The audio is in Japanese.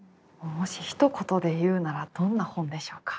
もしひと言で言うならどんな本でしょうか？